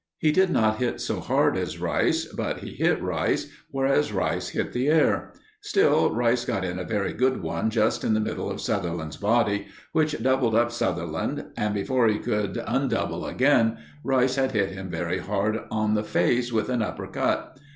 He did not hit so hard as Rice, but he hit Rice, whereas Rice hit the air. Still Rice got in a very good one just in the middle of Sutherland's body, which doubled up Sutherland, and before he could undouble again, Rice had hit him very hard on the face with an upper cut.